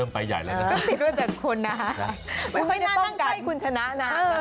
ไม่ค่อยน่านั่งใกล้คุณชนะนะ